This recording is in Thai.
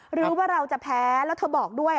หรือว่าเราจะแพ้แล้วเธอบอกด้วย